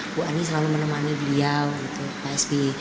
ibu ani selalu menemani beliau pak sbe